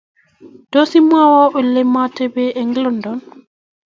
Tos imwowo ole muateben eng London?